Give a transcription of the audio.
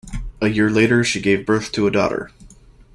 A year later, she gave birth to a daughter.